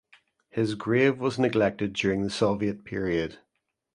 His grave was neglected during the Soviet period.